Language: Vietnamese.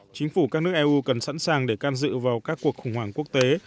chính phủ các nước eu cần sẵn sàng để can dự vào các cuộc khủng hoảng quốc tế